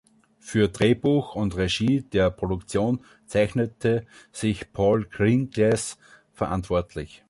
Für Drehbuch und Regie der Produktion zeichnete sich Paul Greengrass verantwortlich.